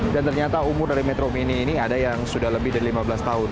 dan ternyata umur dari metro mini ini ada yang sudah lebih dari lima belas tahun